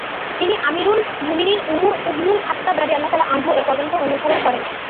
তিনি আমীরুল মুমিনীন উমর ইবনুল খাত্তাব রা. এর পদাঙ্ক অনুসরণ করেন।